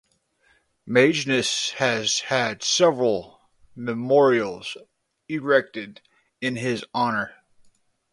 Magennis has had several memorials erected in his honour.